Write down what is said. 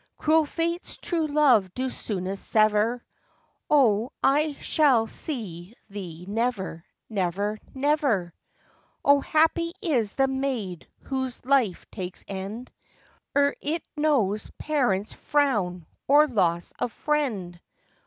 Cruel fates true love do soonest sever; O, I shall see thee never, never, never! O, happy is the maid whose life takes end Ere it knows parent's frown or loss of friend!